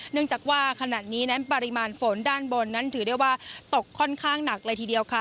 เนื่องจากว่าขณะนี้นั้นปริมาณฝนด้านบนนั้นถือได้ว่าตกค่อนข้างหนักเลยทีเดียวค่ะ